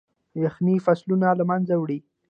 يخني فصلونه له منځه وړي.